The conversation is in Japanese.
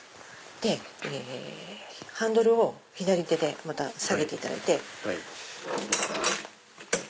でハンドルを左手でまた下げていただいて。